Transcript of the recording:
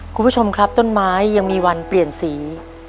คุณผู้ชมครับต้นไม้ยังมีวันเปลี่ยนสี